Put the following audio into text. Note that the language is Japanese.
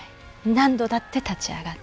何度だって立ち上がって。